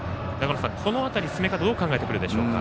この辺り、進め方どう考えてくるでしょうか。